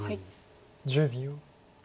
１０秒。